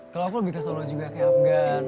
kalau aku lebih kesel juga kayak afgan